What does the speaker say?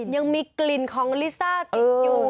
ยังมีกลิ่นของลิซ่าติดอยู่